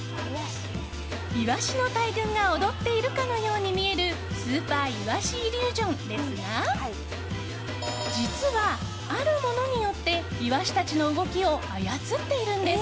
イワシの大群が踊っているかのように見えるスーパーイワシイリュージョンですが実はあるものによってイワシたちの動きを操っているんです。